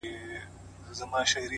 زه ـ